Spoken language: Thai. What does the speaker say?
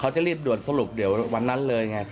จะรีบด่วนสรุปเดี๋ยววันนั้นเลยไง